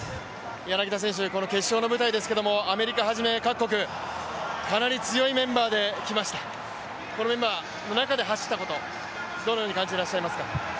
柳田選手、この決勝の舞台ですけど、アメリカはじめ各国、かなり強いメンバーで来ました、このメンバーの中で走ったこと、どのように感じてらっしゃいますか。